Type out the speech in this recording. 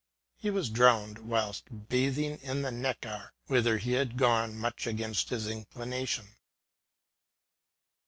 He was drowned whilst bathing in the Neckar, whither he had gone much against his inclination.